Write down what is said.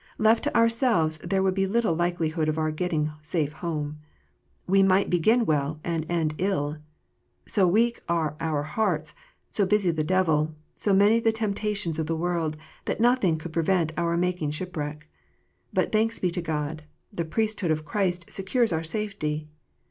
Left to ourselves there would be little likelihood of our getting safe home. We might begin well and end ill. So weak are our hearts, so busy the devil, so many the temptations of the world, that nothing could prevent our making shipwreck. But, thanks be to God, the Priesthood of Christ secures our safety.